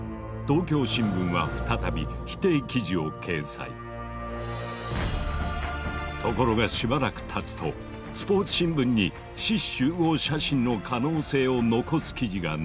東京新聞はところがしばらくたつとスポーツ新聞に志士集合写真の可能性を残す記事が載るなど